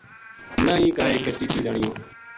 نہ ہی کائے کچی چیز آنیوں